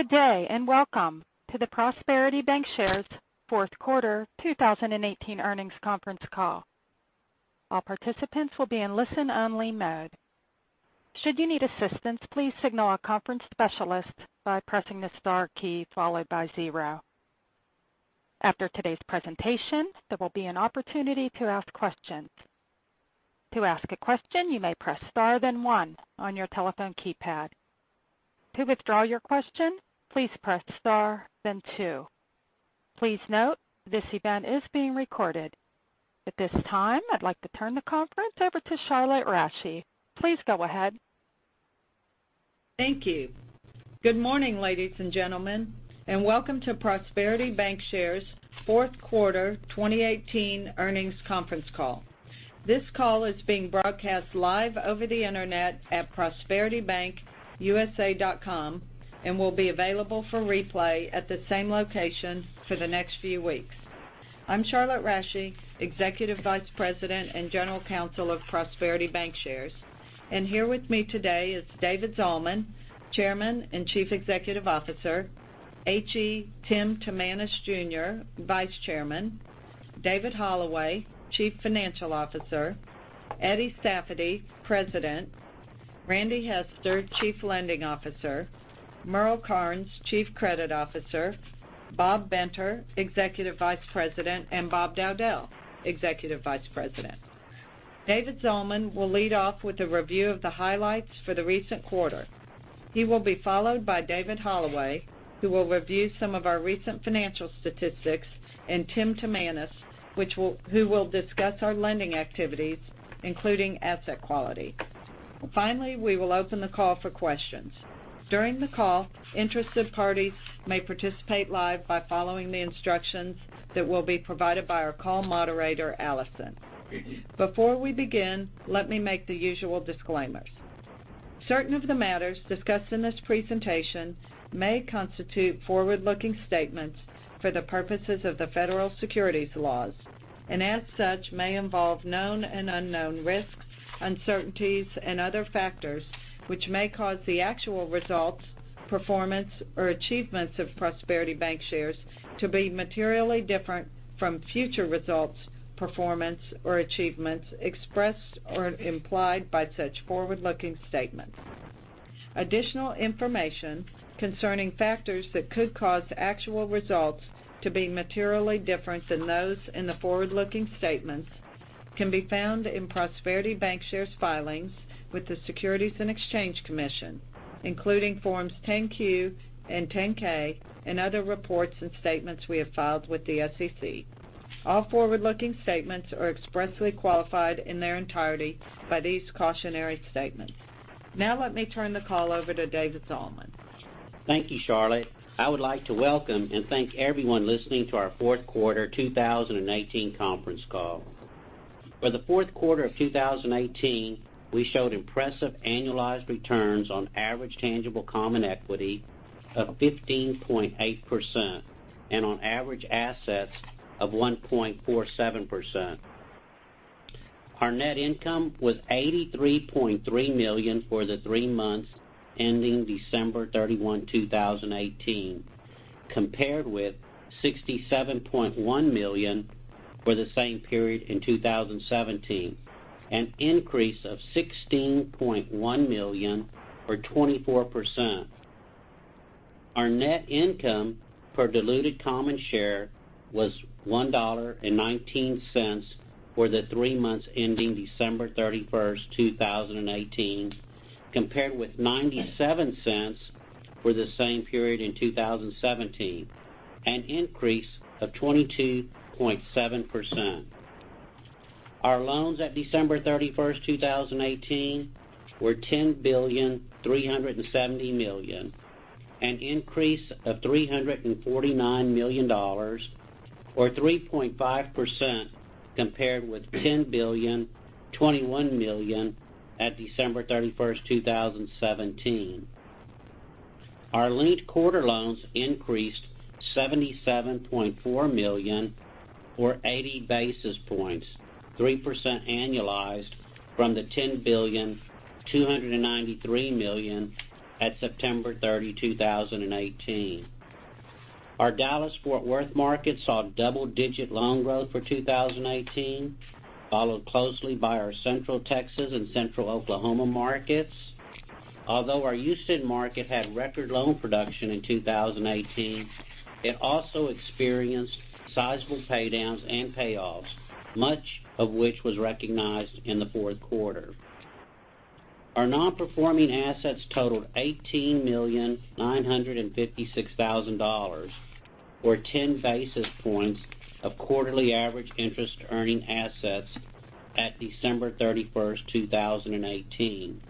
Good day, welcome to the Prosperity Bancshares fourth quarter 2018 earnings conference call. All participants will be in listen-only mode. Should you need assistance, please signal our conference specialist by pressing the star key followed by 0. After today's presentation, there will be an opportunity to ask questions. To ask a question, you may press star then 1 on your telephone keypad. To withdraw your question, please press star then 2. Please note, this event is being recorded. At this time, I'd like to turn the conference over to Charlotte Rasche. Please go ahead. Thank you. Good morning, ladies and gentlemen, welcome to Prosperity Bancshares fourth quarter 2018 earnings conference call. This call is being broadcast live over the internet at prosperitybankusa.com, and will be available for replay at the same location for the next few weeks. I'm Charlotte Rasche, Executive Vice President and General Counsel of Prosperity Bancshares. Here with me today is David Zalman, Chairman and Chief Executive Officer, H.E. Tim Timanus, Jr., Vice Chairman, David Hollaway, Chief Financial Officer, Eddie Safady, President, Randy Hester, Chief Lending Officer, Merle Karnes, Chief Credit Officer, Bob Benter, Executive Vice President, and Bob Dowdell, Executive Vice President. David Zalman will lead off with a review of the highlights for the recent quarter. He will be followed by David Hollaway, who will review some of our recent financial statistics, and Tim Timanus, who will discuss our lending activities, including asset quality. Finally, we will open the call for questions. During the call, interested parties may participate live by following the instructions that will be provided by our call moderator, Allison. Before we begin, let me make the usual disclaimers. Certain of the matters discussed in this presentation may constitute forward-looking statements for the purposes of the federal securities laws, as such, may involve known and unknown risks, uncertainties, and other factors, which may cause the actual results, performance, or achievements of Prosperity Bancshares to be materially different from future results, performance, or achievements expressed or implied by such forward-looking statements. Additional information concerning factors that could cause actual results to be materially different than those in the forward-looking statements can be found in Prosperity Bancshares' filings with the Securities and Exchange Commission, including Forms 10-Q and 10-K and other reports and statements we have filed with the SEC. All forward-looking statements are expressly qualified in their entirety by these cautionary statements. Now let me turn the call over to David Zalman. Thank you, Charlotte. I would like to welcome and thank everyone listening to our fourth quarter 2018 conference call. For the fourth quarter of 2018, we showed impressive annualized returns on average tangible common equity of 15.8%, and on average assets of 1.47%. Our net income was $83.3 million for the three months ending December 31, 2018, compared with $67.1 million for the same period in 2017, an increase of $16.1 million, or 24%. Our net income per diluted common share was $1.19 for the three months ending December 31st, 2018, compared with $0.97 for the same period in 2017, an increase of 22.7%. Our loans at December 31st, 2018, were $10,370,000,000, an increase of $349 million, or 3.5%, compared with $10,021,000,000 at December 31st, 2017. Our linked quarter loans increased $77.4 million, or 80 basis points, 3% annualized from the $10,293,000,000 at September 30, 2018. Our Dallas-Fort Worth market saw double-digit loan growth for 2018, followed closely by our Central Texas and Central Oklahoma markets. Although our Houston market had record loan production in 2018, it also experienced sizable paydowns and payoffs, much of which was recognized in the fourth quarter. Our non-performing assets totaled $18,956,000, or 10 basis points of quarterly average interest-earning assets at December 31st, 2018,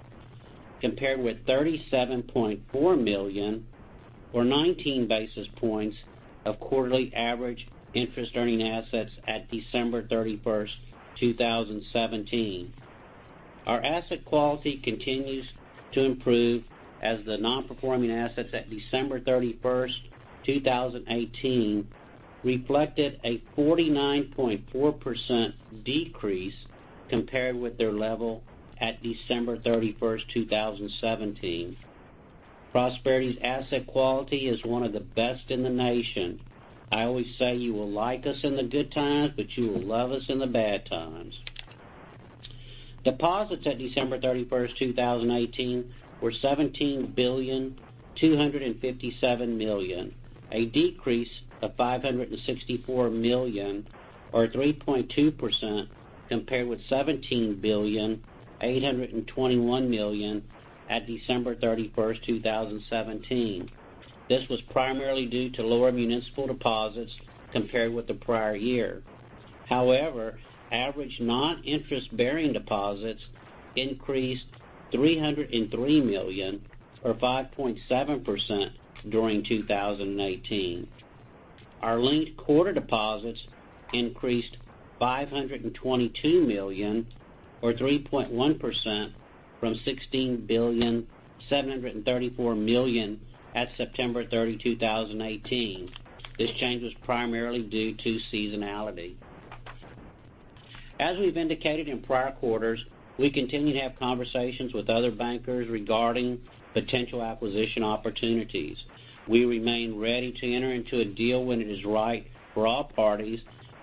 compared with $37.4 million, or 19 basis points of quarterly average interest-earning assets at December 31st, 2017. Our asset quality continues to improve as the non-performing assets at December 31st, 2018 reflected a 49.4% decrease compared with their level at December 31st, 2017. Prosperity's asset quality is one of the best in the nation. I always say, "You will like us in the good times, but you will love us in the bad times." Deposits at December 31st, 2018 were $17,257,000,000, a decrease of $564 million or 3.2% compared with $17,821,000,000 at December 31st, 2017. This was primarily due to lower municipal deposits compared with the prior year. However, average non-interest-bearing deposits increased $303 million or 5.7% during 2018. Our linked quarter deposits increased $522 million or 3.1% from $16,734,000,000 at September 30, 2018. This change was primarily due to seasonality. As we've indicated in prior quarters, we continue to have conversations with other bankers regarding potential acquisition opportunities. We remain ready to enter into a deal when it is right for all parties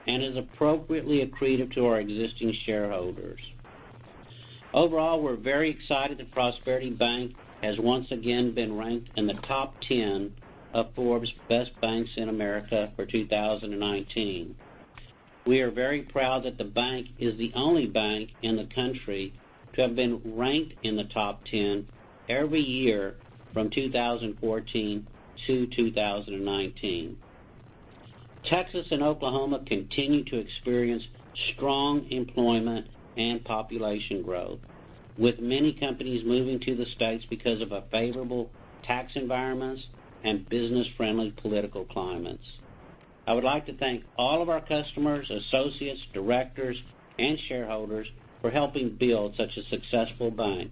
and is appropriately accretive to our existing shareholders. Overall, we're very excited that Prosperity Bank has once again been ranked in the top 10 of Forbes America's Best Banks for 2019. We are very proud that the bank is the only bank in the country to have been ranked in the top 10 every year from 2014 to 2019. Texas and Oklahoma continue to experience strong employment and population growth, with many companies moving to the States because of favorable tax environments and business-friendly political climates. I would like to thank all of our customers, associates, directors, and shareholders for helping build such a successful bank.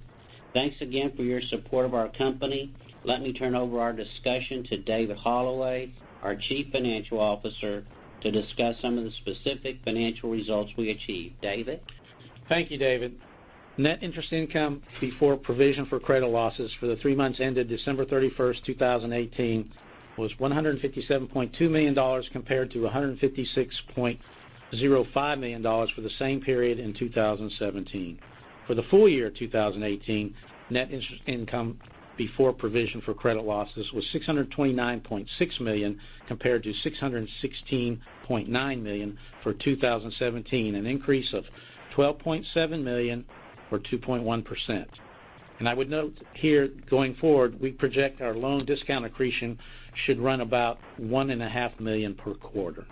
Thanks again for your support of our company. Let me turn over our discussion to David Hollaway, our Chief Financial Officer, to discuss some of the specific financial results we achieved. David? Thank you, David. Net interest income before provision for credit losses for the three months ended December 31st, 2018, was $157.2 million, compared to $156.05 million for the same period in 2017. For the full year 2018, net interest income before provision for credit losses was $629.6 million, compared to $616.9 million for 2017, an increase of $12.7 million or 2.1%. I would note here, going forward, we project our loan discount accretion should run about one and a half million per quarter.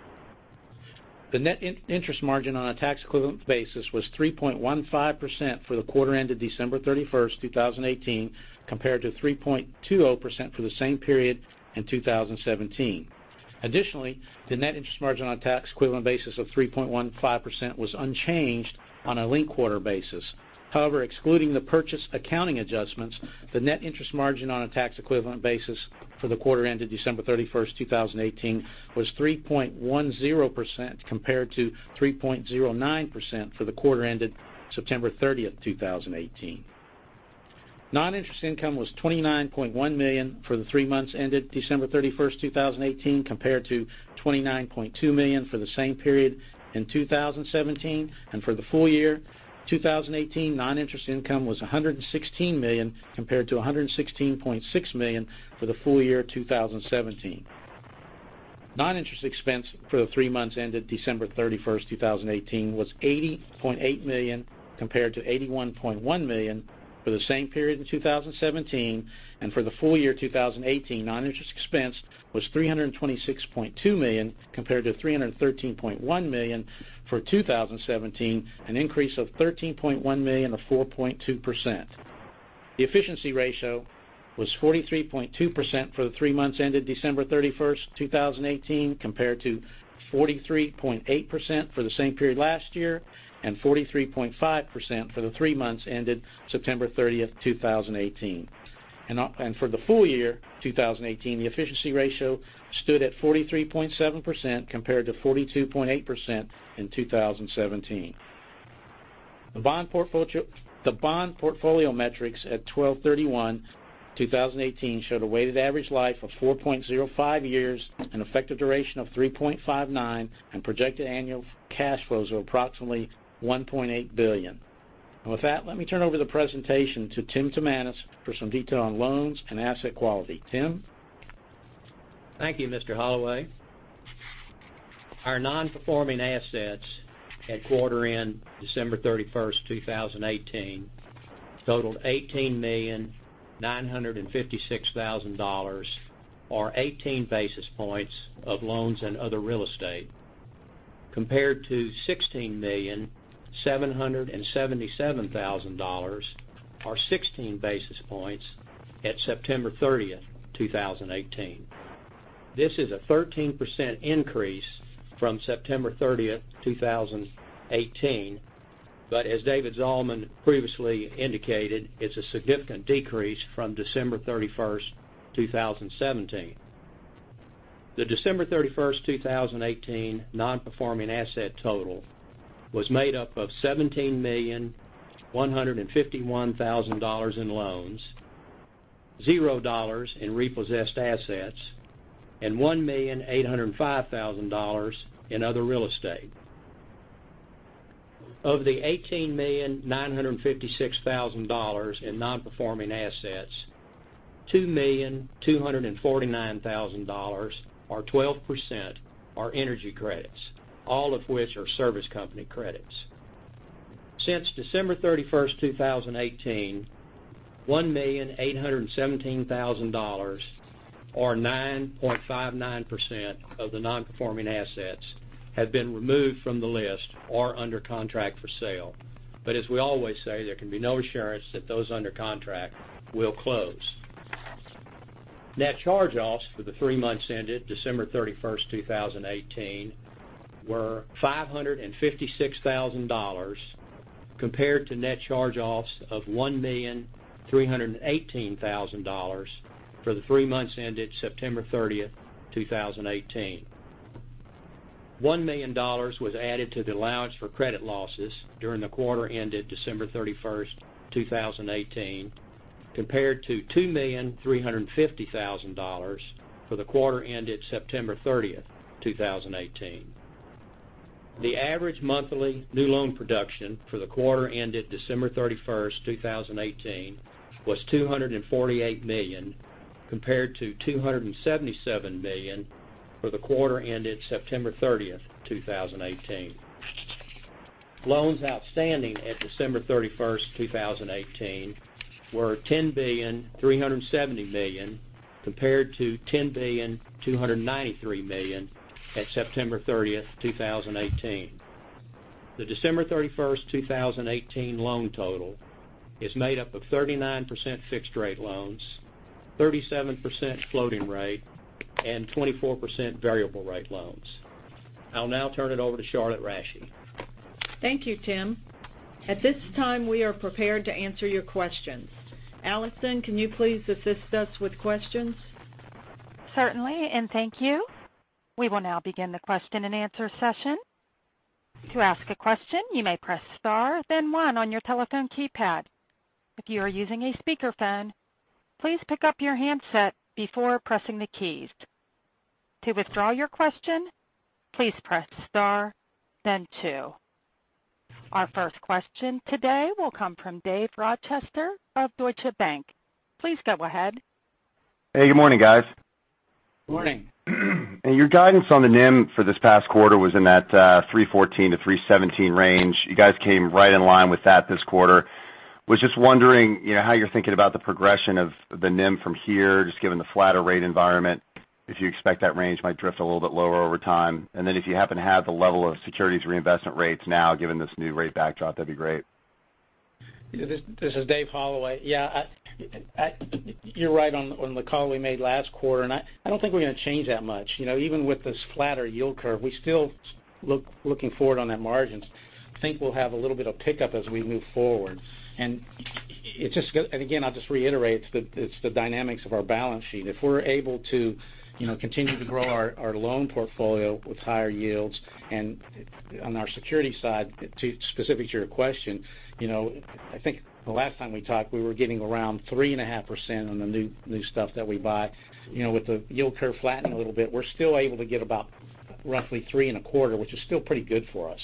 The net interest margin on a tax equivalent basis was 3.15% for the quarter ended December 31st, 2018, compared to 3.20% for the same period in 2017. Additionally, the net interest margin on a tax equivalent basis of 3.15% was unchanged on a linked quarter basis. However, excluding the purchase accounting adjustments, the net interest margin on a tax equivalent basis for the quarter ended December 31st, 2018, was 3.10%, compared to 3.09% for the quarter ended September 30th, 2018. Non-interest income was $29.1 million for the three months ended December 31st, 2018, compared to $29.2 million for the same period in 2017. For the full year 2018, non-interest income was $116 million, compared to $116.6 million for the full year 2017. Non-interest expense for the three months ended December 31st, 2018, was $80.8 million, compared to $81.1 million for the same period in 2017. For the full year 2018, non-interest expense was $326.2 million, compared to $313.1 million for 2017, an increase of $13.1 million or 4.2%. The efficiency ratio was 43.2% for the three months ended December 31st, 2018, compared to 43.8% for the same period last year and 43.5% for the three months ended September 30th, 2018. For the full year 2018, the efficiency ratio stood at 43.7%, compared to 42.8% in 2017. The bond portfolio metrics at 12/31/2018 showed a weighted average life of 4.05 years, an effective duration of 3.59, and projected annual cash flows of approximately $1.8 billion. With that, let me turn over the presentation to Tim Timanus for some detail on loans and asset quality. Tim? Thank you, Mr. Hollaway. Our non-performing assets at quarter end December 31st, 2018, totaled $18,956,000, or 18 basis points of loans and other real estate, compared to $16,777,000, or 16 basis points at September 30th, 2018. This is a 13% increase from September 30th, 2018. As David Zalman previously indicated, it's a significant decrease from December 31st, 2017. The December 31st, 2018 non-performing asset total was made up of $17,151,000 in loans, $0 in repossessed assets, and $1,805,000 in other real estate. Of the $18,956,000 in non-performing assets, $2,249,000 or 12% are energy credits, all of which are service company credits. Since December 31st, 2018, $1,817,000 or 9.59% of the non-performing assets have been removed from the list or under contract for sale. As we always say, there can be no assurance that those under contract will close. Net charge-offs for the three months ended December 31st, 2018 were $556,000 compared to net charge-offs of $1,318,000 for the three months ended September 30th, 2018. $1 million was added to the allowance for credit losses during the quarter ended December 31st, 2018 compared to $2,350,000 for the quarter ended September 30th, 2018. The average monthly new loan production for the quarter ended December 31st, 2018 was $248 million compared to $277 million for the quarter ended September 30th, 2018. Loans outstanding at December 31st, 2018 were $10,370,000,000 compared to $10,293,000,000 at September 30th, 2018. The December 31st, 2018 loan total is made up of 39% fixed rate loans, 37% floating rate, and 24% variable rate loans. I'll now turn it over to Charlotte Rasche. Thank you, Tim. At this time, we are prepared to answer your questions. Allison, can you please assist us with questions? Certainly, thank you. We will now begin the question and answer session. To ask a question, you may press star then one on your telephone keypad. If you are using a speakerphone, please pick up your handset before pressing the keys. To withdraw your question, please press star then two. Our first question today will come from Dave Rochester of Deutsche Bank. Please go ahead. Hey, good morning, guys. Morning. Your guidance on the NIM for this past quarter was in that three fourteen to three seventeen range. You guys came right in line with that this quarter. Was just wondering how you're thinking about the progression of the NIM from here, just given the flatter rate environment, if you expect that range might drift a little bit lower over time. Then if you happen to have the level of securities reinvestment rates now, given this new rate backdrop, that'd be great. This is Dave Hollaway. Yeah. You're right on the call we made last quarter. I don't think we're going to change that much. Even with this flatter yield curve, we still looking forward on that margins. I think we'll have a little bit of pickup as we move forward. Again, I'll just reiterate, it's the dynamics of our balance sheet. If we're able to continue to grow our loan portfolio with higher yields and on our security side, specific to your question, I think the last time we talked, we were getting around 3.5% on the new stuff that we buy. With the yield curve flattening a little bit, we're still able to get about roughly three and a quarter, which is still pretty good for us.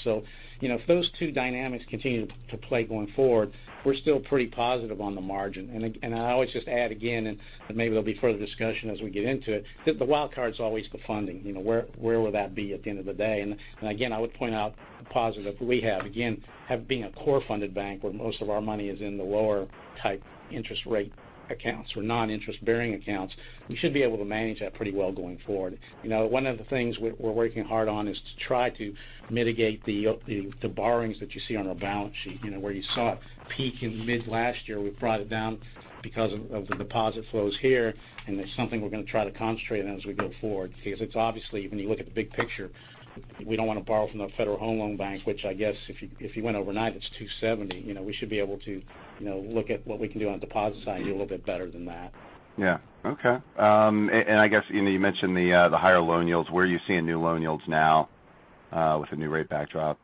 If those two dynamics continue to play going forward, we're still pretty positive on the margin. I always just add again, maybe there'll be further discussion as we get into it, the wild card's always the funding, where will that be at the end of the day? Again, I would point out the positive that we have, again, have being a core funded bank where most of our money is in the lower type interest rate accounts or non-interest bearing accounts, we should be able to manage that pretty well going forward. One of the things we're working hard on is to try to mitigate the borrowings that you see on our balance sheet, where you saw it peak in mid-last year, we brought it down because of the deposit flows here. It's something we're going to try to concentrate on as we go forward because it's obviously, when you look at the big picture, we don't want to borrow from the Federal Home Loan Bank, which I guess if you went overnight, it's 270. We should be able to look at what we can do on the deposit side and do a little bit better than that. Yeah. Okay. I guess you mentioned the higher loan yields. Where are you seeing new loan yields now with the new rate backdrop?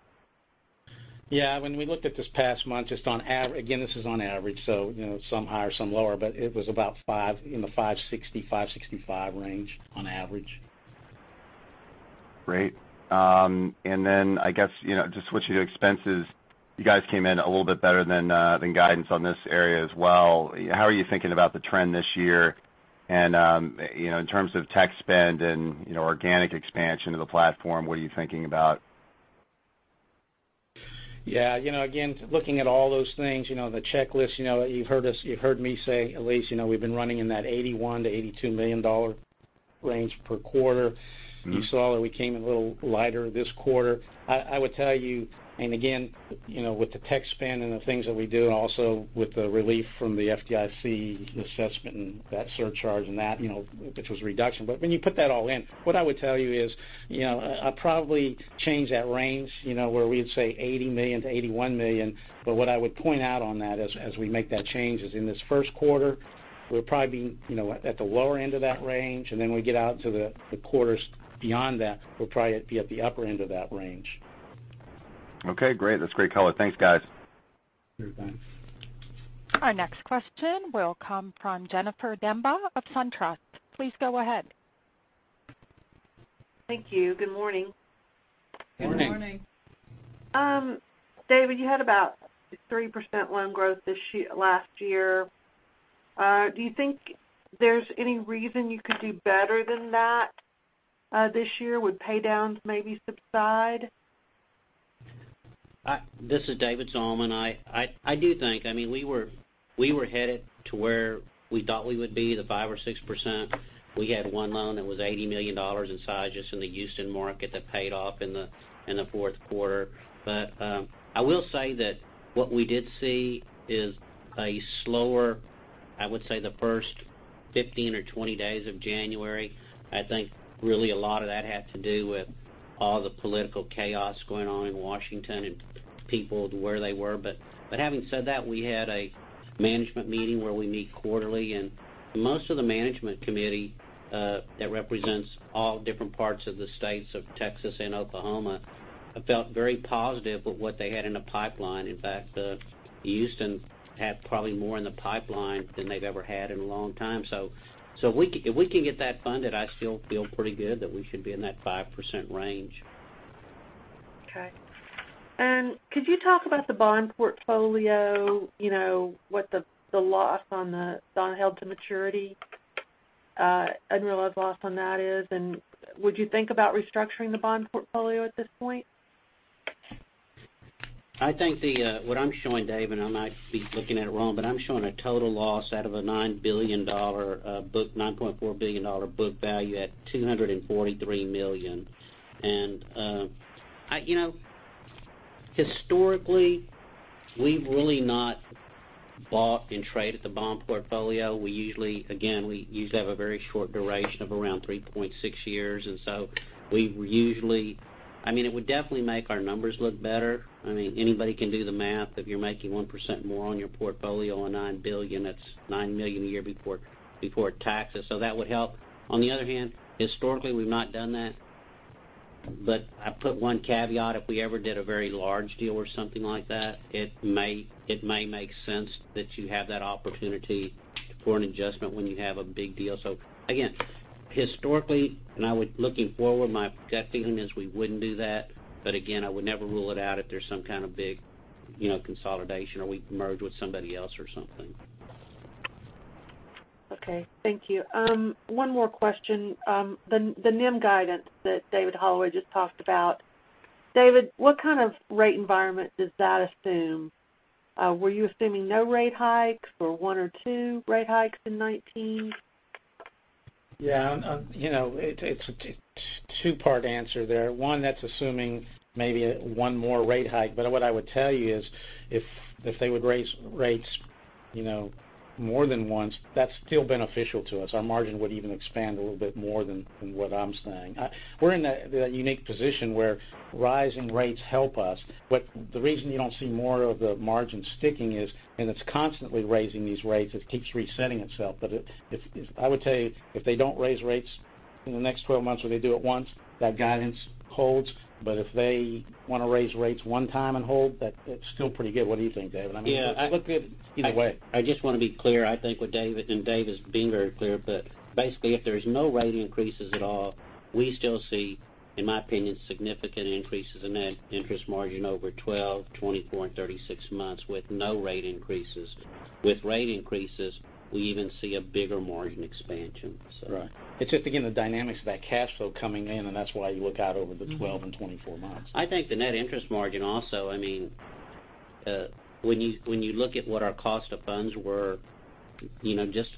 Yeah, when we looked at this past month, again, this is on average, so some higher, some lower, but it was about in the 560-565 range on average. Great. Then I guess just switching to expenses, you guys came in a little bit better than guidance on this area as well. How are you thinking about the trend this year? In terms of tech spend and organic expansion of the platform, what are you thinking about? Yeah. Again, looking at all those things, the checklist, you've heard me say at least we've been running in that $81 million-$82 million range per quarter. You saw that we came in a little lighter this quarter. I would tell you, again, with the tech spend and the things that we do, also with the relief from the FDIC assessment and that surcharge and that, which was a reduction. When you put that all in, what I would tell you is, I'll probably change that range, where we'd say $80 million-$81 million. What I would point out on that as we make that change, is in this first quarter, we'll probably be at the lower end of that range, then we get out to the quarters beyond that, we'll probably be at the upper end of that range. Okay, great. That's great color. Thanks, guys. Sure thing. Our next question will come from Jennifer Demba of SunTrust. Please go ahead. Thank you. Good morning. Good morning. Morning. David, you had about 3% loan growth last year. Do you think there's any reason you could do better than that this year? Would pay-downs maybe subside? This is David Zalman, I do think. We were headed to where we thought we would be, the 5% or 6%. We had one loan that was $80 million in size just in the Houston market that paid off in the fourth quarter. I will say that what we did see is a slower, I would say, the first 15 or 20 days of January. I think really a lot of that had to do with all the political chaos going on in Washington and people to where they were. Having said that, we had a management meeting where we meet quarterly, and most of the management committee that represents all different parts of the states of Texas and Oklahoma felt very positive with what they had in the pipeline. In fact, Houston had probably more in the pipeline than they've ever had in a long time. If we can get that funded, I still feel pretty good that we should be in that 5% range. Okay. Could you talk about the bond portfolio, what the loss on the bond held to maturity, unrealized loss on that is, and would you think about restructuring the bond portfolio at this point? I think what I'm showing, Dave, and I might be looking at it wrong, but I'm showing a total loss out of a $9.4 billion book value at $243 million. Historically, we've really not bought and traded the bond portfolio. Again, we usually have a very short duration of around 3.6 years, we usually It would definitely make our numbers look better. Anybody can do the math. If you're making 1% more on your portfolio on $9 billion, that's $90 million a year before taxes. That would help. On the other hand, historically, we've not done that. I put one caveat, if we ever did a very large deal or something like that, it may make sense that you have that opportunity for an adjustment when you have a big deal. Again, historically, and looking forward, my gut feeling is we wouldn't do that. Again, I would never rule it out if there's some kind of big consolidation or we merge with somebody else or something. Okay, thank you. One more question. The NIM guidance that David Hollaway just talked about, David, what kind of rate environment does that assume? Were you assuming no rate hikes or one or two rate hikes in 2019? Yeah. It's a two-part answer there. One that's assuming maybe one more rate hike. What I would tell you is if they would raise rates more than once, that's still beneficial to us. Our margin would even expand a little bit more than what I'm saying. We're in a unique position where rising rates help us. The reason you don't see more of the margin sticking is, it's constantly raising these rates, it keeps resetting itself. I would tell you, if they don't raise rates in the next 12 months or they do it once, that guidance holds. If they want to raise rates one time and hold, that's still pretty good. What do you think, David? Yeah. It looks good either way. I just want to be clear, I think, Dave has been very clear, Basically, if there's no rate increases at all, we still see, in my opinion, significant increases in net interest margin over 12, 24, and 36 months with no rate increases. With rate increases, we even see a bigger margin expansion. It's just, again, the dynamics of that cash flow coming in, That's why you look out over the 12 and 24 months. I think the net interest margin also, when you look at what our cost of funds were just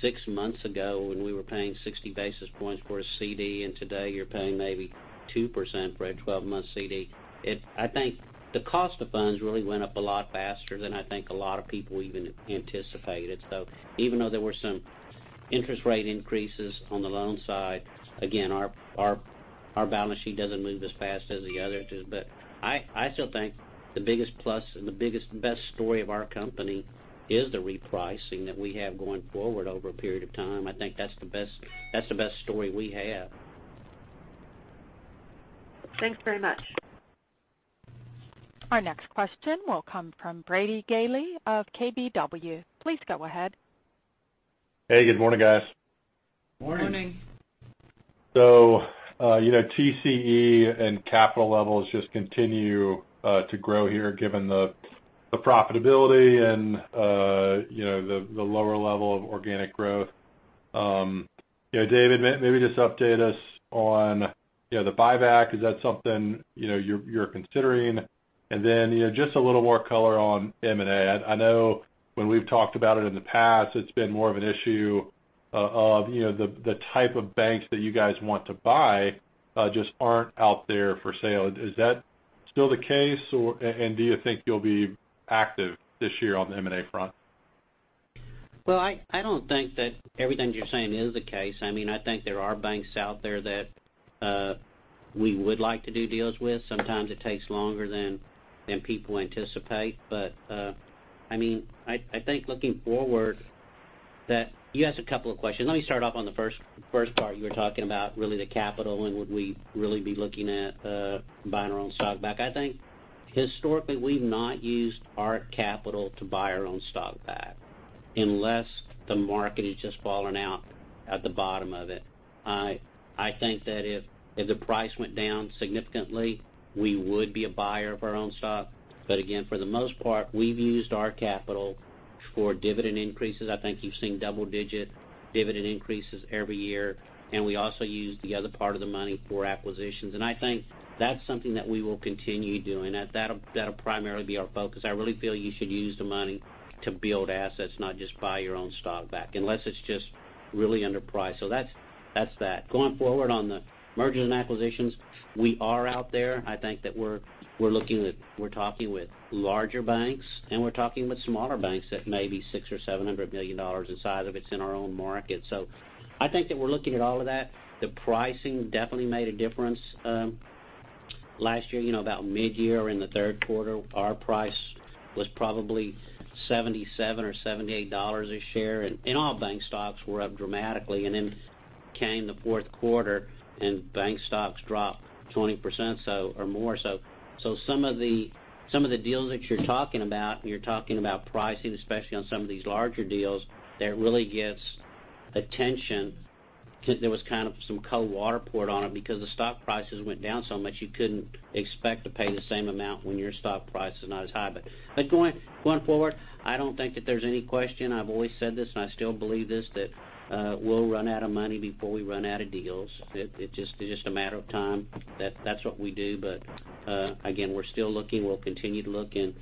six months ago when we were paying 60 basis points for a CD, Today you're paying maybe 2% for a 12-month CD. I think the cost of funds really went up a lot faster than I think a lot of people even anticipated. Even though there were some interest rate increases on the loan side, again, our balance sheet doesn't move as fast as the others do. I still think the biggest plus and the biggest and best story of our company is the repricing that we have going forward over a period of time. I think that's the best story we have. Thanks very much. Our next question will come from Brady Gailey of KBW. Please go ahead. Hey, good morning, guys. Morning. Morning. TCE and capital levels just continue to grow here given the profitability and the lower level of organic growth. David, maybe just update us on the buyback. Is that something you're considering? Just a little more color on M&A. I know when we've talked about it in the past, it's been more of an issue of the type of banks that you guys want to buy just aren't out there for sale. Is that still the case, and do you think you'll be active this year on the M&A front? Well, I don't think that everything you're saying is the case. I think there are banks out there that we would like to do deals with. Sometimes it takes longer than people anticipate. I think looking forward that. You asked a couple of questions. Let me start off on the first part. You were talking about really the capital and would we really be looking at buying our own stock back. I think historically, we've not used our capital to buy our own stock back unless the market has just fallen out at the bottom of it. I think that if the price went down significantly, we would be a buyer of our own stock. Again, for the most part, we've used our capital for dividend increases. I think you've seen double-digit dividend increases every year, and we also use the other part of the money for acquisitions. I think that's something that we will continue doing. That'll primarily be our focus. I really feel you should use the money to build assets, not just buy your own stock back unless it's just really underpriced. That's that. Going forward on the mergers and acquisitions, we are out there. I think that we're talking with larger banks, and we're talking with some other banks that may be $600 million or $700 million in size if it's in our own market. I think that we're looking at all of that. The pricing definitely made a difference last year. About mid-year, in the third quarter, our price was probably $77 or $78 a share, and all bank stocks were up dramatically, and then came the fourth quarter and bank stocks dropped 20% or more. Some of the deals that you're talking about, when you're talking about pricing, especially on some of these larger deals, that really gets attention. There was kind of some cold water poured on it because the stock prices went down so much you couldn't expect to pay the same amount when your stock price is not as high. Going forward, I don't think that there's any question. I've always said this, and I still believe this, that we'll run out of money before we run out of deals. It's just a matter of time that that's what we do. Again, we're still looking. We'll continue to look, and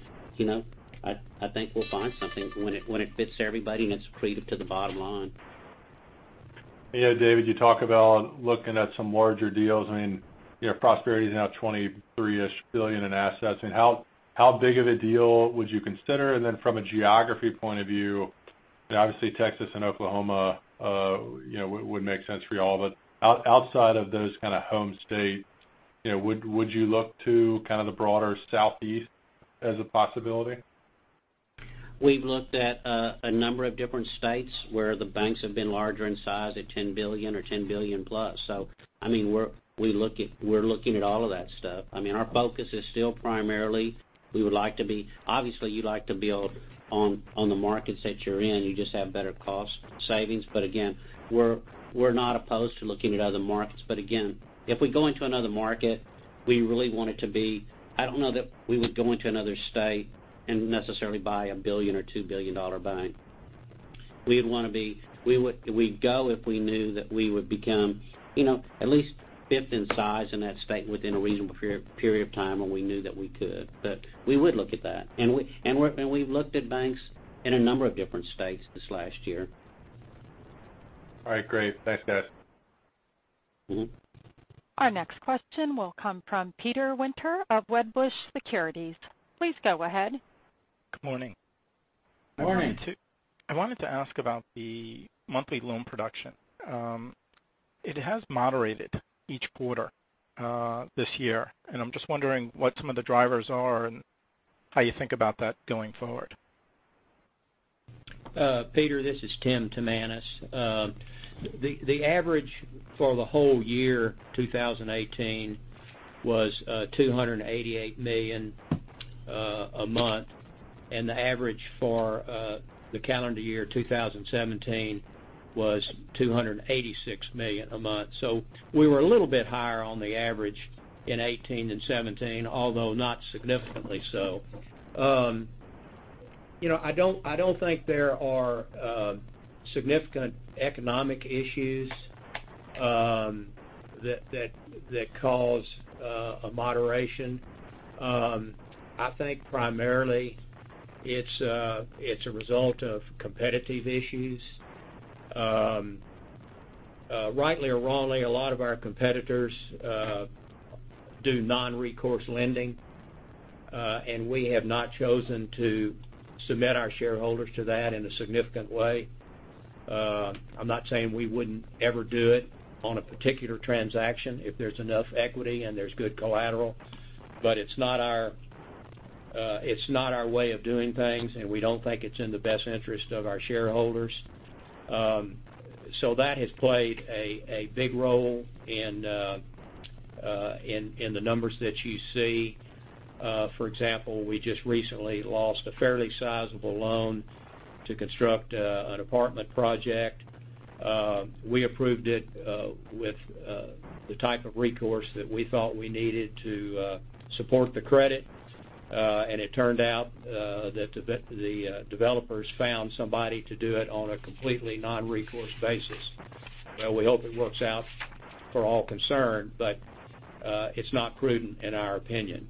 I think we'll find something when it fits everybody and it's accretive to the bottom line. David, you talk about looking at some larger deals. Prosperity is now $23-ish billion in assets. How big of a deal would you consider? From a geography point of view, obviously Texas and Oklahoma would make sense for y'all. Outside of those kind of home state, would you look to kind of the broader southeast as a possibility? We've looked at a number of different states where the banks have been larger in size at $10 billion or $10 billion plus. We're looking at all of that stuff. Our focus is still primarily. Obviously, you'd like to build on the markets that you're in. You just have better cost savings. We're not opposed to looking at other markets. If we go into another market, I don't know that we would go into another state and necessarily buy a $1 billion or $2 billion bank. We'd go if we knew that we would become at least fifth in size in that state within a reasonable period of time, and we knew that we could. We would look at that. We've looked at banks in a number of different states this last year. All right, great. Thanks, guys. Our next question will come from Peter Winter of Wedbush Securities. Please go ahead. Good morning. Morning. I wanted to ask about the monthly loan production. It has moderated each quarter this year, and I'm just wondering what some of the drivers are and how you think about that going forward. Peter, this is Tim Timanus. The average for the whole year 2018 was $288 million a month, the average for the calendar year 2017 was $286 million a month. We were a little bit higher on the average in 2018 and 2017, although not significantly so. I don't think there are significant economic issues that cause a moderation. I think primarily it's a result of competitive issues. Rightly or wrongly, a lot of our competitors do non-recourse lending, and we have not chosen to submit our shareholders to that in a significant way. I'm not saying we wouldn't ever do it on a particular transaction if there's enough equity and there's good collateral, but it's not our way of doing things, and we don't think it's in the best interest of our shareholders. That has played a big role in the numbers that you see. For example, we just recently lost a fairly sizable loan to construct an apartment project. We approved it with the type of recourse that we thought we needed to support the credit, and it turned out that the developers found somebody to do it on a completely non-recourse basis. Well, we hope it works out for all concerned, but it's not prudent in our opinion.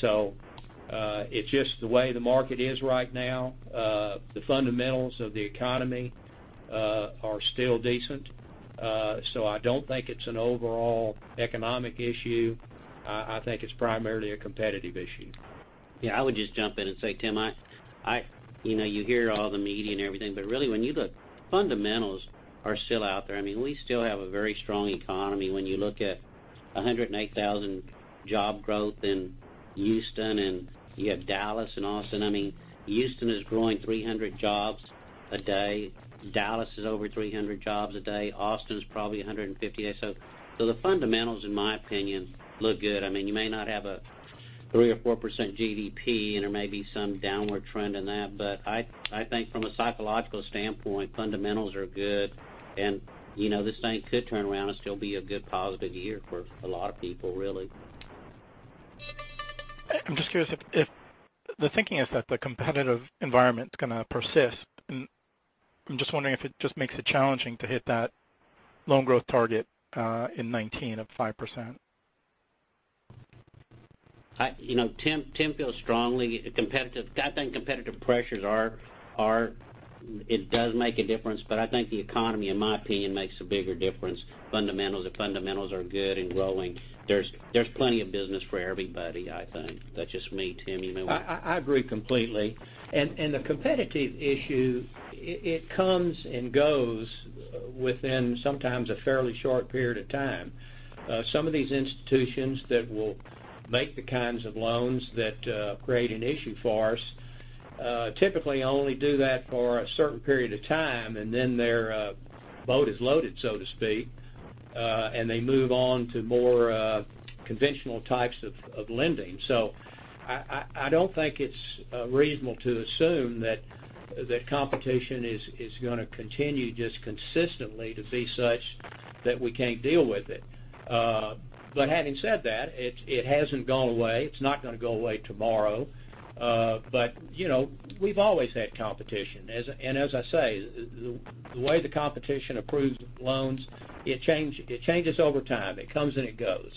It's just the way the market is right now. The fundamentals of the economy are still decent, I don't think it's an overall economic issue. I think it's primarily a competitive issue. Yeah, I would just jump in and say, Tim, you hear all the media and everything, but really when you look, fundamentals are still out there. We still have a very strong economy when you look at 108,000 job growth in Houston, and you have Dallas and Austin. Houston is growing 300 jobs a day. Dallas is over 300 jobs a day. Austin is probably 150 a day. The fundamentals, in my opinion, look good. You may not have a 3% or 4% GDP, and there may be some downward trend in that, but I think from a psychological standpoint, fundamentals are good. This thing could turn around and still be a good positive year for a lot of people, really. I'm just curious if the thinking is that the competitive environment's going to persist, I'm just wondering if it just makes it challenging to hit that loan growth target in 2019 of 5%. Tim feels strongly. I think competitive pressures it does make a difference, but I think the economy, in my opinion, makes a bigger difference. Fundamentals are good and growing. There's plenty of business for everybody, I think. That's just me. Tim, you may want to. I agree completely. The competitive issue, it comes and goes within sometimes a fairly short period of time. Some of these institutions that will make the kinds of loans that create an issue for us typically only do that for a certain period of time, and then their boat is loaded, so to speak, and they move on to more conventional types of lending. I don't think it's reasonable to assume that competition is going to continue just consistently to be such that we can't deal with it. Having said that, it hasn't gone away. It's not going to go away tomorrow. We've always had competition. As I say, the way the competition approves loans, it changes over time. It comes, and it goes.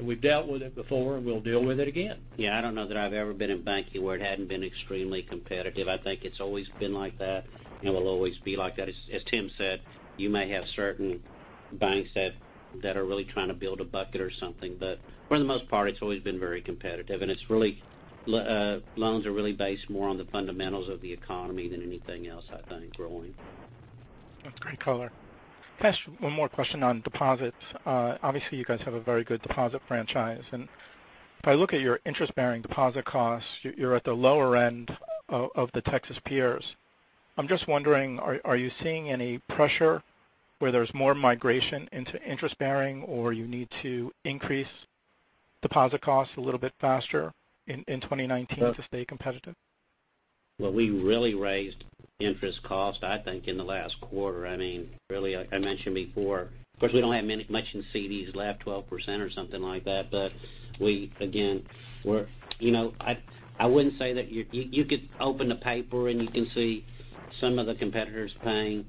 We've dealt with it before, and we'll deal with it again. Yeah, I don't know that I've ever been in banking where it hadn't been extremely competitive. I think it's always been like that, and it will always be like that. As Tim said, you may have certain banks that are really trying to build a bucket or something, but for the most part, it's always been very competitive. Loans are really based more on the fundamentals of the economy than anything else, I think, growing. That's great color. Can I ask one more question on deposits? Obviously, you guys have a very good deposit franchise, and if I look at your interest-bearing deposit costs, you're at the lower end of the Texas peers. I'm just wondering, are you seeing any pressure where there's more migration into interest bearing, or you need to increase deposit costs a little bit faster in 2018 to stay competitive? We really raised interest costs, I think, in the last quarter. I mentioned before, of course, we don't have much in CDs left, 12% or something like that. You could open the paper, and you can see some of the competitors paying.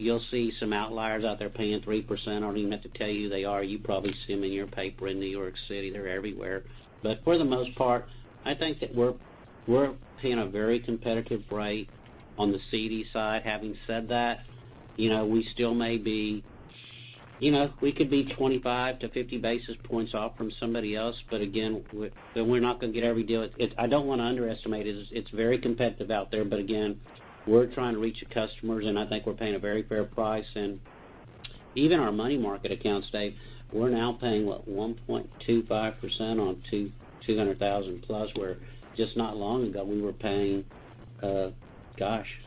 You'll see some outliers out there paying 3%. I don't even have to tell you they are. You probably see them in your paper in New York City. They're everywhere. For the most part, I think that we're paying a very competitive rate on the CD side. Having said that, we could be 25 to 50 basis points off from somebody else, but again, we're not going to get every deal. I don't want to underestimate it. It's very competitive out there. Again, we're trying to reach the customers, and I think we're paying a very fair price. Even our money market accounts today, we're now paying, what, 1.25% on 200,000 plus, where just not long ago, we were paying, gosh-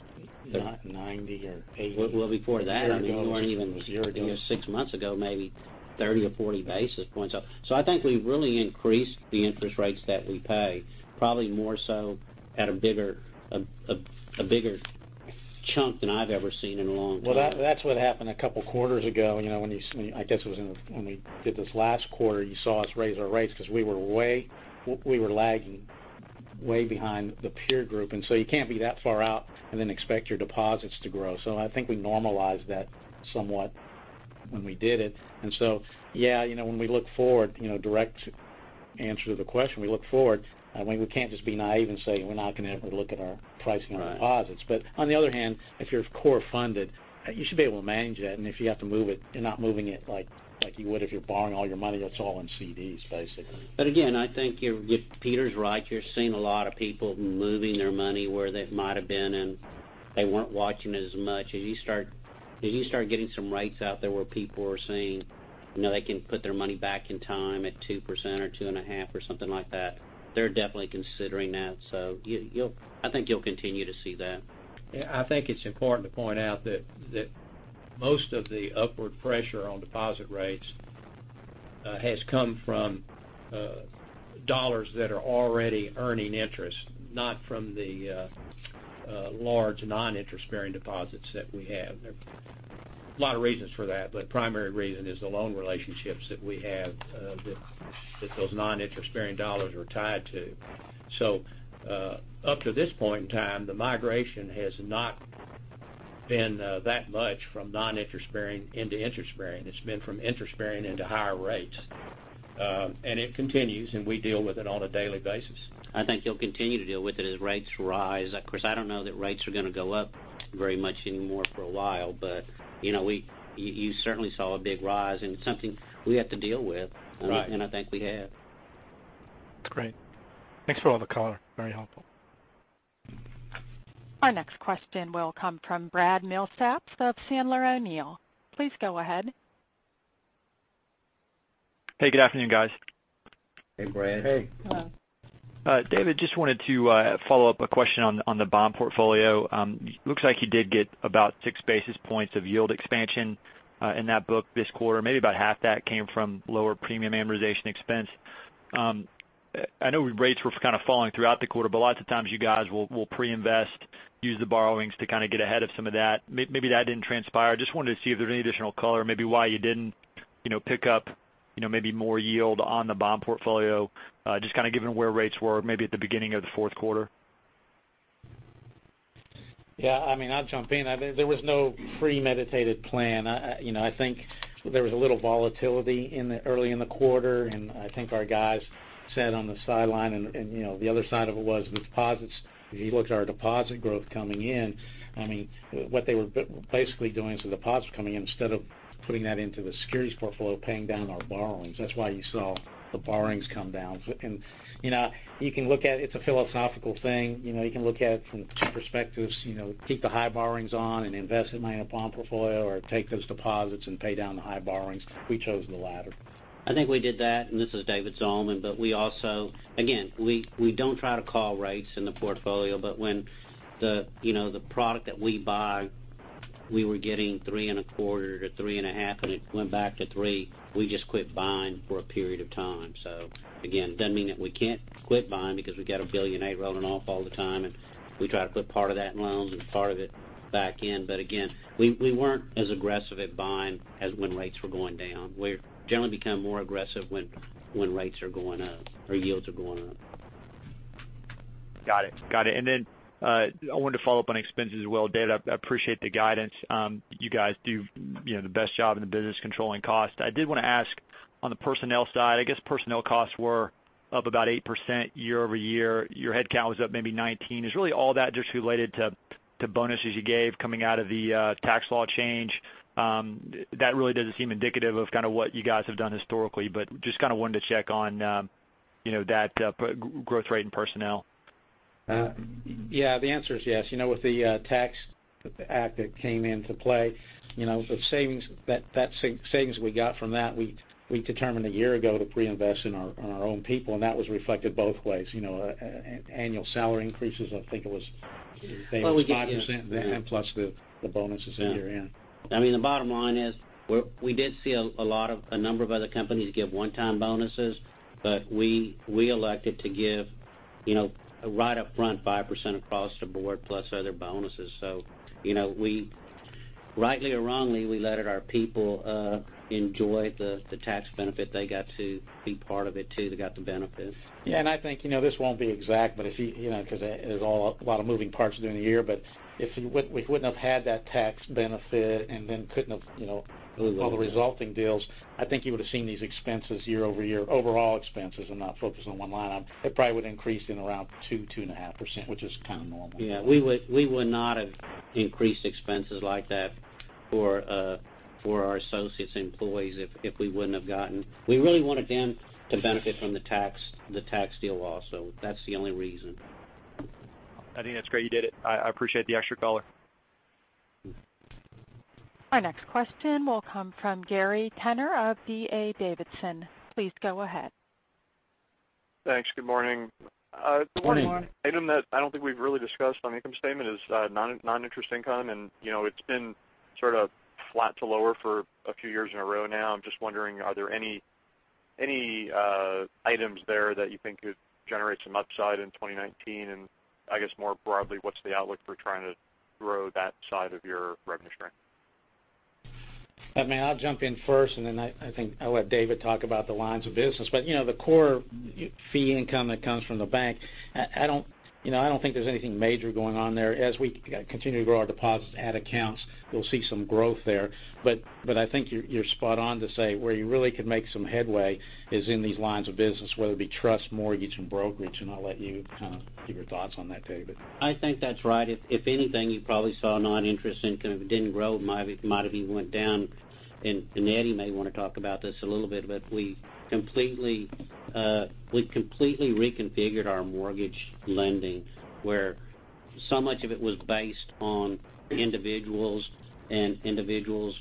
90 or 80. Before that, we weren't even Zero. six months ago, maybe 30 or 40 basis points up. I think we've really increased the interest rates that we pay, probably more so at a bigger chunk than I've ever seen in a long time. That's what happened a couple of quarters ago. I guess it was when we did this last quarter, you saw us raise our rates because we were lagging way behind the peer group, you can't be that far out and then expect your deposits to grow. I think we normalized that somewhat when we did it. Yeah, when we look forward, direct answer to the question, we look forward, we can't just be naive and say we're not going to ever look at our pricing on deposits. On the other hand, if you're core funded, you should be able to manage that. If you have to move it, you're not moving it like you would if you're borrowing all your money that's all in CDs, basically. Again, I think Peter's right. You're seeing a lot of people moving their money where they might've been, and they weren't watching it as much. As you start getting some rates out there where people are seeing they can put their money back in time at 2% or two and a half or something like that, they're definitely considering that. I think you'll continue to see that. I think it's important to point out that most of the upward pressure on deposit rates has come from dollars that are already earning interest, not from the large non-interest bearing deposits that we have. There are a lot of reasons for that, but primary reason is the loan relationships that we have that those non-interest bearing dollars are tied to Up to this point in time, the migration has not been that much from non-interest bearing into interest bearing. It's been from interest bearing into higher rates. It continues, and we deal with it on a daily basis. I think you'll continue to deal with it as rates rise. Of course, I don't know that rates are going to go up very much anymore for a while, but you certainly saw a big rise, and it's something we have to deal with. Right. I think we have. Great. Thanks for all the color. Very helpful. Our next question will come from Brad Milsaps of Sandler O'Neill + Partners. Please go ahead. Hey, good afternoon, guys. Hey, Brad. Hey. Hello. David, just wanted to follow up a question on the bond portfolio. Looks like you did get about six basis points of yield expansion in that book this quarter. Maybe about half that came from lower premium amortization expense. I know rates were kind of falling throughout the quarter, but lots of times you guys will pre-invest, use the borrowings to kind of get ahead of some of that. Maybe that didn't transpire. Just wanted to see if there's any additional color, maybe why you didn't pick up maybe more yield on the bond portfolio, just kind of given where rates were maybe at the beginning of the fourth quarter. Yeah, I'll jump in. There was no premeditated plan. I think there was a little volatility early in the quarter. I think our guys sat on the sideline. The other side of it was the deposits. If you looked at our deposit growth coming in, what they were basically doing is the deposits coming in, instead of putting that into the securities portfolio, paying down our borrowings. That's why you saw the borrowings come down. You can look at it's a philosophical thing. You can look at it from two perspectives, keep the high borrowings on and invest it in my bond portfolio, or take those deposits and pay down the high borrowings. We chose the latter. I think we did that, and this is David Zalman, but we also, again, we don't try to call rates in the portfolio. When the product that we buy, we were getting three and a quarter to three and a half, and it went back to three. We just quit buying for a period of time. Again, doesn't mean that we can't quit buying because we got $1.8 billion rolling off all the time. We try to put part of that in loans and part of it back in. Again, we weren't as aggressive at buying as when rates were going down. We generally become more aggressive when rates are going up or yields are going up. Got it. I wanted to follow up on expenses as well. David, I appreciate the guidance. You guys do the best job in the business controlling cost. I did want to ask on the personnel side, I guess personnel costs were up about 8% year-over-year. Your headcount was up maybe 19. Is really all that just related to bonuses you gave coming out of the tax law change? That really doesn't seem indicative of kind of what you guys have done historically, but just kind of wanted to check on that growth rate in personnel. The answer is yes. With the tax act that came into play, that savings we got from that, we determined a year ago to pre-invest in our own people, and that was reflected both ways. Annual salary increases, I think it was 5% then, plus the bonuses in here. The bottom line is we did see a number of other companies give one-time bonuses, we elected to give right up front 5% across the board plus other bonuses. Rightly or wrongly, we let our people enjoy the tax benefit. They got to be part of it, too. They got the benefits. I think this won't be exact, because there's a lot of moving parts during the year, but if we wouldn't have had that tax benefit and couldn't have all the resulting deals, I think you would've seen these expenses year-over-year, overall expenses and not focused on one line item, it probably would increase in around 2%-2.5%, which is kind of normal. We would not have increased expenses like that for our associates, employees, if we wouldn't have. We really wanted them to benefit from the tax deal law. That's the only reason. I think that's great you did it. I appreciate the extra color. Our next question will come from Gary Tenner of D.A. Davidson. Please go ahead. Thanks. Good morning. Good morning. Good morning. Item that I don't think we've really discussed on the income statement is non-interest income, and it's been sort of flat to lower for a few years in a row now. I'm just wondering, are there any items there that you think could generate some upside in 2019? I guess more broadly, what's the outlook for trying to grow that side of your revenue stream? I'll jump in first. Then I think I'll let David talk about the lines of business. The core fee income that comes from the bank, I don't think there's anything major going on there. As we continue to grow our deposits, add accounts, we'll see some growth there. I think you're spot on to say where you really could make some headway is in these lines of business, whether it be trust, mortgage, and brokerage. I'll let you kind of give your thoughts on that, David. I think that's right. If anything, you probably saw non-interest income didn't grow. It might've even went down. Eddie may want to talk about this a little bit, but we completely reconfigured our mortgage lending, where so much of it was based on individuals, and individuals,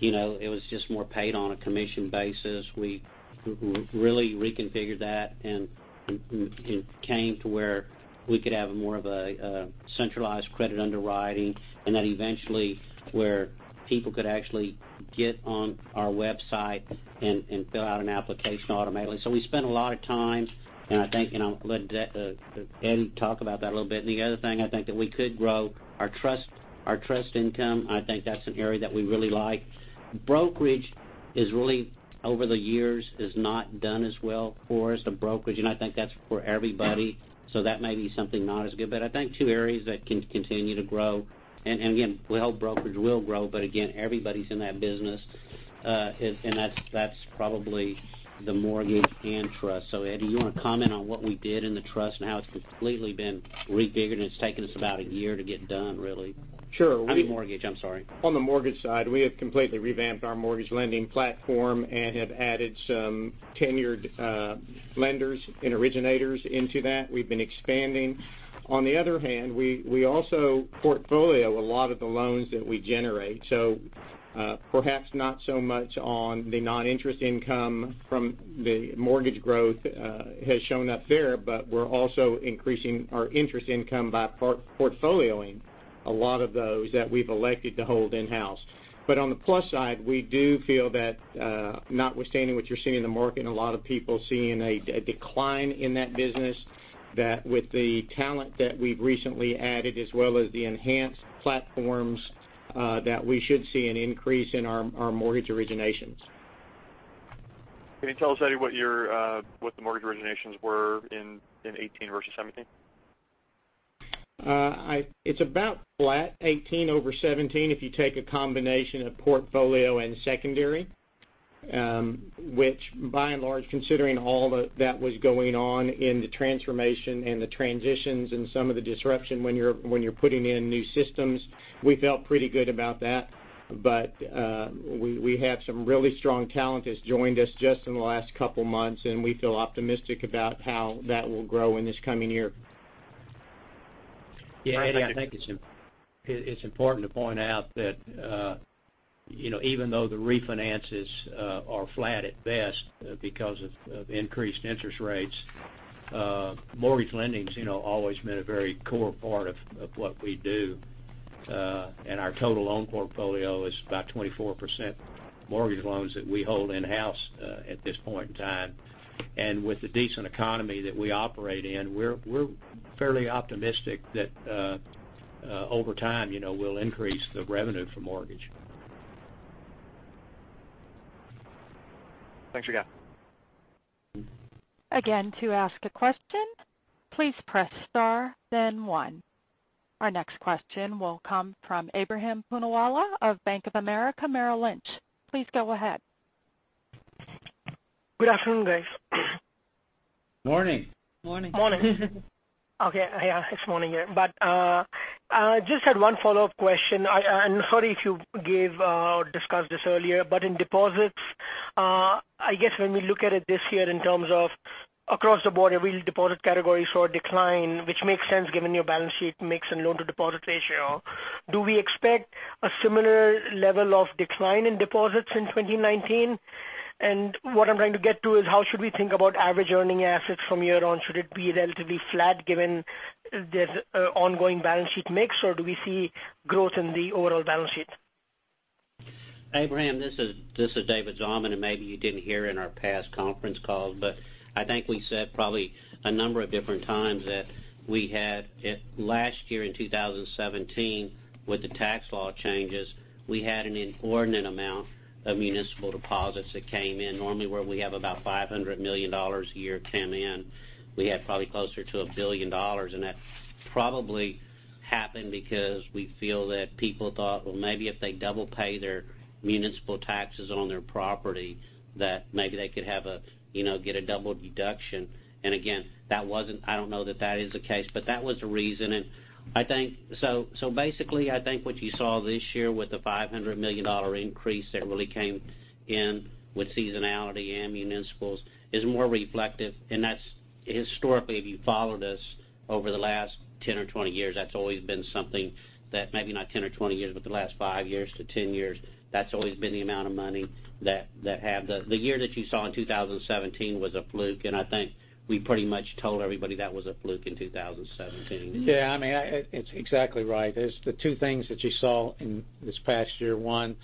it was just more paid on a commission basis. We really reconfigured that and came to where we could have more of a centralized credit underwriting, and that eventually where people could actually get on our website and fill out an application automatically. We spent a lot of time, and I think I'll let Eddie talk about that a little bit. The other thing I think that we could grow our trust income. I think that's an area that we really like. Brokerage has really over the years not done as well for us, the brokerage, and I think that's for everybody. That may be something not as good. I think two areas that can continue to grow, and again, we hope brokerage will grow, but again, everybody's in that business. That's probably the mortgage and trust. Eddie, you want to comment on what we did in the trust and how it's completely been rejiggered, and it's taken us about a year to get done, really? Sure. I mean mortgage, I'm sorry. On the mortgage side, we have completely revamped our mortgage lending platform and have added some tenured lenders and originators into that. We've been expanding. On the other hand, we also portfolio a lot of the loans that we generate. Perhaps not so much on the non-interest income from the mortgage growth has shown up there, but we're also increasing our interest income by portfolioing a lot of those that we've elected to hold in-house. On the plus side, we do feel that notwithstanding what you're seeing in the market, and a lot of people seeing a decline in that business, that with the talent that we've recently added, as well as the enhanced platforms, that we should see an increase in our mortgage originations. Can you tell us, Eddie, what the mortgage originations were in 2018 versus 2017? It's about flat, 2018 over 2017, if you take a combination of portfolio and secondary. By and large, considering all that was going on in the transformation and the transitions and some of the disruption when you're putting in new systems, we felt pretty good about that. We have some really strong talent that's joined us just in the last couple of months, and we feel optimistic about how that will grow in this coming year. I think it's important to point out that even though the refinances are flat at best because of increased interest rates, mortgage lending has always been a very core part of what we do. Our total loan portfolio is about 24% mortgage loans that we hold in-house at this point in time. With the decent economy that we operate in, we're fairly optimistic that over time we'll increase the revenue for mortgage. Thanks, you guys. Again, to ask a question, please press star then one. Our next question will come from Ebrahim Poonawala of Bank of America Merrill Lynch. Please go ahead. Good afternoon, guys. Morning. Morning. Morning. Okay, yeah, it's morning here. Just had one follow-up question. Sorry if you gave or discussed this earlier. In deposits, I guess when we look at it this year in terms of across the board, every deposit category saw a decline, which makes sense given your balance sheet mix and loan to deposit ratio. Do we expect a similar level of decline in deposits in 2018? What I'm trying to get to is how should we think about average earning assets from here on? Should it be relatively flat given this ongoing balance sheet mix, or do we see growth in the overall balance sheet? Ebrahim, this is David Zalman. Maybe you didn't hear in our past conference calls, I think we said probably a number of different times that we had last year in 2017, with the tax law changes, we had an inordinate amount of municipal deposits that came in. Normally, where we have about $500 million a year come in, we had probably closer to $1 billion. That probably happened because we feel that people thought, well, maybe if they double pay their municipal taxes on their property, that maybe they could get a double deduction. Again, I don't know that is the case, but that was a reason. Basically, I think what you saw this year with the $500 million increase that really came in with seasonality and municipals is more reflective. That's historically, if you followed us over the last 10 or 20 years, that's always been something that, maybe not 10 or 20 years, but the last 5 years to 10 years, that's always been the amount of money. The year that you saw in 2017 was a fluke, and I think we pretty much told everybody that was a fluke in 2017. Yeah, it's exactly right. There's the two things that you saw in this past year. One,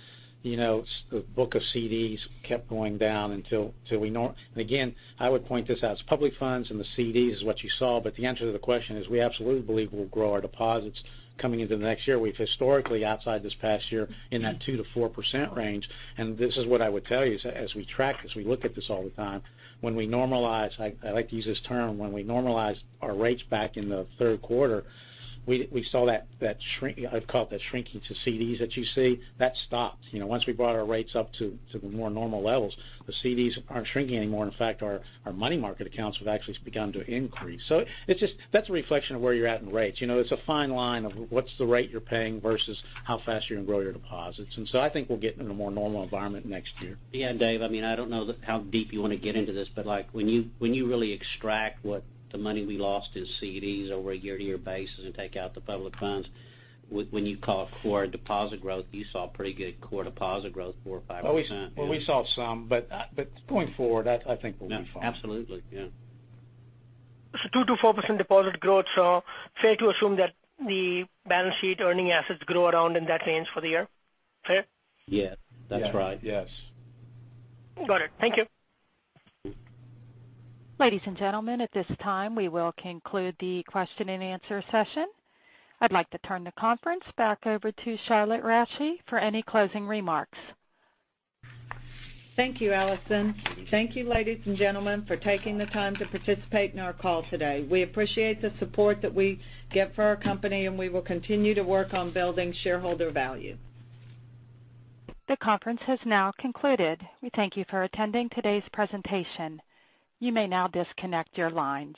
the book of CDs kept going down until we. Again, I would point this out. It's public funds and the CDs is what you saw. The answer to the question is we absolutely believe we'll grow our deposits coming into the next year. We've historically, outside this past year, in that 2%-4% range. This is what I would tell you. As we track this, we look at this all the time. When we normalize, I like to use this term, when we normalized our rates back in the third quarter, we saw that shrink, I'd call it the shrinking to CDs that you see. That stopped. Once we brought our rates up to the more normal levels, the CDs aren't shrinking anymore. In fact, our money market accounts have actually begun to increase. That's a reflection of where you're at in rates. It's a fine line of what's the rate you're paying versus how fast you can grow your deposits. I think we'll get in a more normal environment next year. Yeah, Dave, I don't know how deep you want to get into this, but when you really extract what the money we lost in CDs over a year-over-year basis and take out the public funds, when you call it core deposit growth, you saw pretty good core deposit growth, 4% or 5%. We saw some, but going forward, I think we'll be fine. Absolutely. Yeah. 2%-4% deposit growth. Fair to assume that the balance sheet earning assets grow around in that range for the year? Fair? Yeah, that's right. Yes. Got it. Thank you. Ladies and gentlemen, at this time, we will conclude the question and answer session. I'd like to turn the conference back over to Charlotte Rasche for any closing remarks. Thank you, Allison. Thank you, ladies and gentlemen, for taking the time to participate in our call today. We appreciate the support that we get for our company. We will continue to work on building shareholder value. The conference has now concluded. We thank you for attending today's presentation. You may now disconnect your lines.